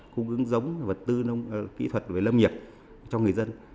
cung ứng giống vật tư kỹ thuật về lâm nghiệp cho người dân